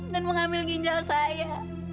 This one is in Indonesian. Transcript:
dan mengambil ginjal saya